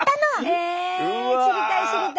え知りたい知りたい！